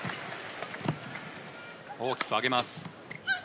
大きく上げます。